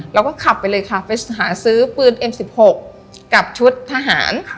เราก็ขับไปเลยค่ะไปหาซื้อปืนเอ็มสิบหกกับชุดทหาร